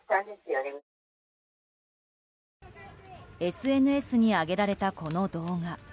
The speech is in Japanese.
ＳＮＳに上げられたこの動画。